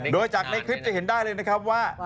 โดยจากในคลิปจะเห็นได้เลยนะครับว่า